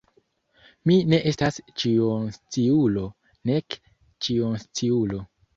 Mi ne estas ĉionsciulo, nek ĉiosciulo.